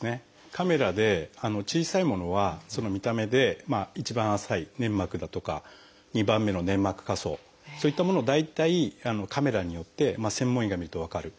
カメラで小さいものはその見た目で一番浅い粘膜だとか２番目の粘膜下層そういったものを大体カメラによって専門医が見ると分かる。